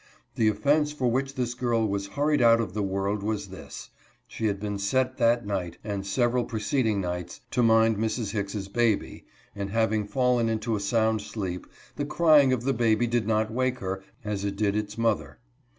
The offense for which this girl was thus hur ried out of the world was this : she had been set that night, and several preceding nights, to mind Mrs. Hicks' baby, and, having fallen into a sound sleep, the crying of the baby did not wake her, as it did its mother.